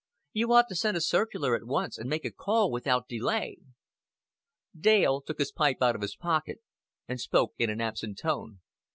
You ought to send a circular at once, and make a call without delay." Dale took his pipe out of his pocket, and spoke in an absent tone.